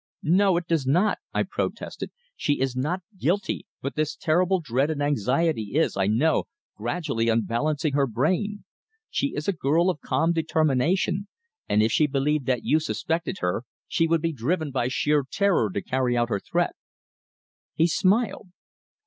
"No, it does not!" I protested. "She is not guilty, but this terrible dread and anxiety is, I know, gradually unbalancing her brain. She is a girl of calm determination, and if she believed that you suspected her she would be driven by sheer terror to carry out her threat." He smiled.